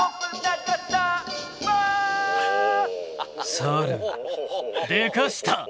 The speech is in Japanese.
猿でかした！